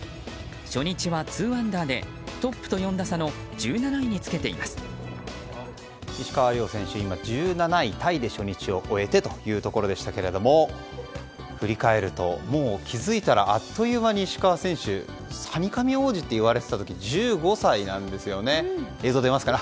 初日は２アンダーでトップと４打差の石川遼選手、今１７位タイで初日を終えてというところでしたけれども振り返るともう気づいたらあっという間に石川選手、ハニカミ王子って言われていた時は１５歳なんですよね。